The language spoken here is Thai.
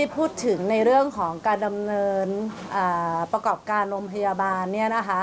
พูดถึงในเรื่องของการดำเนินประกอบการโรงพยาบาลเนี่ยนะคะ